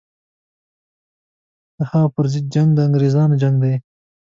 د هغه پر ضد جنګ د انګرېزانو جنګ دی.